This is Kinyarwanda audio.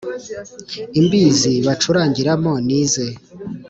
Imbizi bacurangiramo n'ize